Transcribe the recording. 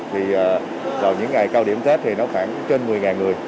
thì vào những ngày cao điểm tết thì nó khoảng trên một mươi người